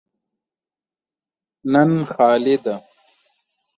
نن خالي ده.